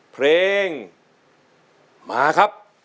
เพลงมาครับ